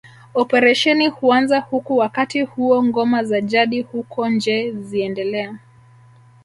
Operesheni huanza huku wakati huo ngoma za jadi huko nje ziiendelea